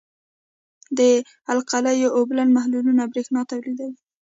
د القلیو اوبلن محلولونه برېښنا تیروي.